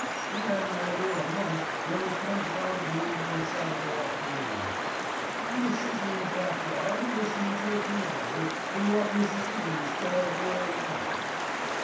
"'E 'adn't 'ad 'er a month when 'e comes round to me one Saturday afternoon. I was sittin' in the back yard a listenin' to a canary and wot Mrs. 'Iggins thought of 'er ole man.